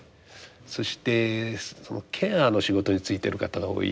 そしてそのケアの仕事に就いている方が多い。